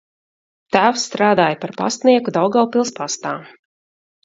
Tēvs strādāja par pastnieku Daugavpils pastā.